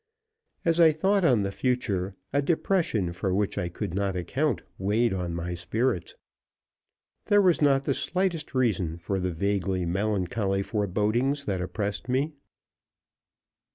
As I thought on the future, a depression for which I could not account weighed on my spirits. There was not the slightest reason for the vaguely melancholy forebodings that oppressed me.